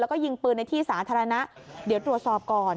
แล้วก็ยิงปืนในที่สาธารณะเดี๋ยวตรวจสอบก่อน